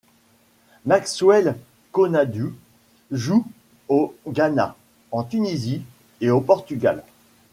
Maxwell Konadu joue au Ghana, en Tunisie et au Portugal.